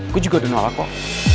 aku juga udah nolak kok